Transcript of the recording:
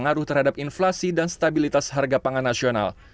pengaruh terhadap inflasi dan stabilitas harga pangan nasional